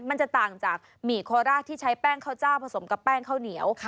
มันจะต่างจากหมี่โคราชที่ใช้แป้งข้าวเจ้าผสมกับแป้งข้าวเหนียว